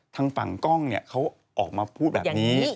ทางฝั่งกล้องเนี่ยเขาออกมาพูดแบบนี้